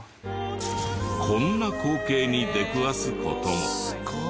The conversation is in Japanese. こんな光景に出くわす事も。